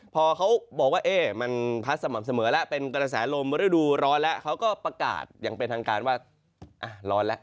พอเขาบอกว่ามันพัดสม่ำเสมอแล้วเป็นกระแสลมฤดูร้อนแล้วเขาก็ประกาศอย่างเป็นทางการว่าร้อนแล้ว